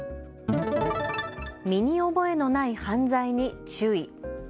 身に覚えのない犯罪に注意。